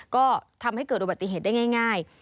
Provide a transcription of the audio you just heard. ก็ทำให้เกิดอุบัติเหตุได้ง่าย